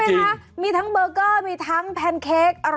นี่นะมีทั้งเบอร์เกอร์มีทั้งแพนเค้ก